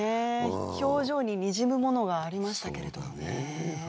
表情ににじむものがありましたけれどもね